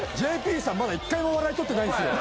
ＪＰさんまだ一回も笑いとってないんですよ。